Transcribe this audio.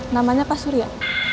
namanya pak surya